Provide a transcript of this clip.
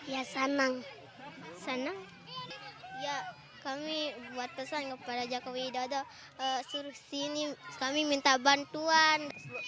ya kami buat kesan kepada jakobidodo suruh sini kami minta bantuan